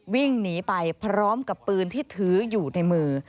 วิ่งหนีไปพร้อมกับปืนที่ถืออยู่ในมือ